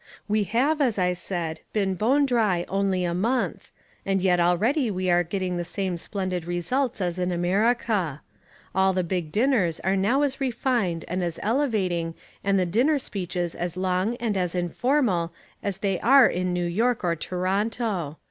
We have, as I said, been bone dry only a month, and yet already we are getting the same splendid results as in America. All the big dinners are now as refined and as elevating and the dinner speeches as long and as informal as they are in New York or Toronto.